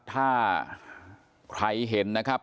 ถ้าใครเห็นนะครับ